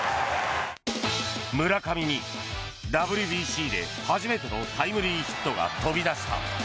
村上にＷＢＣで初めてのタイムリーヒットが飛び出した。